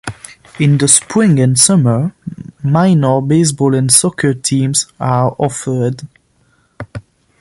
In the spring and summer, minor baseball and soccer teams are offered.